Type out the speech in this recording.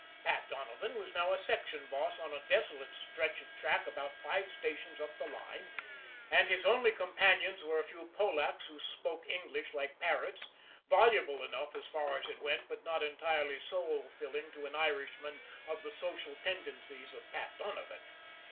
Pat Donovan now was a section boss on a desolate stretch of track about five stations up the line, and his only companions were a few Polacks who spoke English like parrots voluble enough as far as it went, but not entirely soul filling to an Irishman of the sociable tendencies of Pat Donovan.